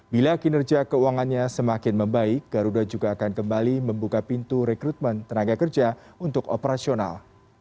bila kinerja keuangannya semakin membaik garuda juga akan kembali membuka pintu rekrutmen tenaga kerja untuk operasional